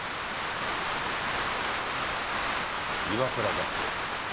岩倉学生。